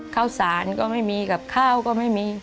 ข้าวสารก็ไม่มีกับข้าวก็ไม่มี